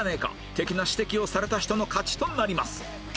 的な指摘をされた人の勝ちとなります